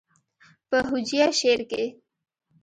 پۀ هجويه شعر کښې